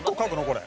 これ。